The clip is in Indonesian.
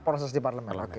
proses di parlemen oke